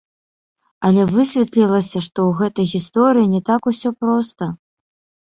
Але высветлілася, што ў гэтай гісторыі не так усё проста.